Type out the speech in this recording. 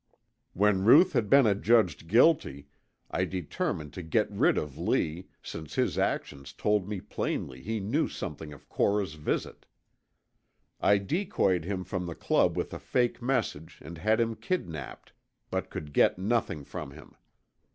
"When Ruth had been adjudged guilty, I determined to get rid of Lee, since his actions told me plainly he knew something of Cora's visit. I decoyed him from the club with a fake message and had him kidnapped, but could get nothing from him.